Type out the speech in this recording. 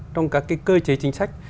trong các cái cơ chế chính sách